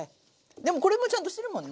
でもこれもちゃんとしてるもんね。